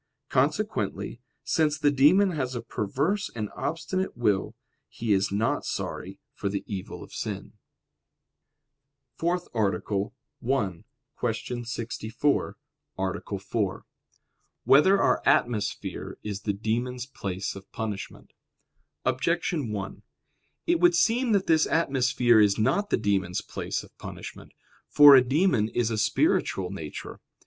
Consequently, since the demon has a perverse and obstinate will, he is not sorry for the evil of sin. _______________________ FOURTH ARTICLE [I, Q. 64, Art. 4] Whether Our Atmosphere Is the Demons' Place of Punishment? Objection 1: It would seem that this atmosphere is not the demons' place of punishment. For a demon is a spiritual nature.